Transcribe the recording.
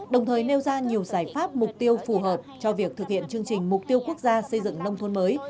đồng thời nêu ra nhiều giải pháp mục tiêu phù hợp cho việc thực hiện chương trình mục tiêu quốc gia xây dựng nông thôn mới